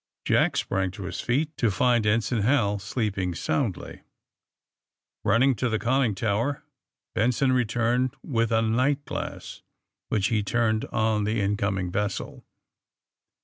Jack sprang to his feet, to find Ensign Hal sleeping soundly. Running to the conning tower Benson returned with a night glass, which he turned on the incoming vessel.